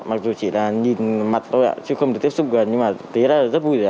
mặc dù chỉ là nhìn mặt thôi ạ chứ không được tiếp xúc gần nhưng mà thế là rất vui rồi ạ